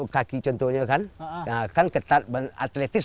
kaki yang terlihat artis